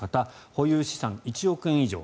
保有資産、１億円以上。